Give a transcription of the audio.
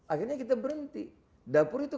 akhirnya kita berhenti dapur itu